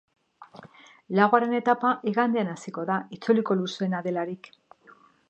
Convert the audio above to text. Laugarren etapa igandean hasiko da, itzuliko luzeena delarik.